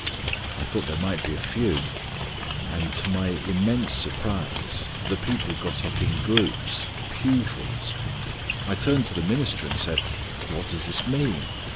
I thought there might be a few. And to my immense surprise the people got up in groups, pew fulls. I turned to the minister and said, 'What does this mean?'